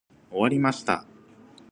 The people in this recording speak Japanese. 終わりました。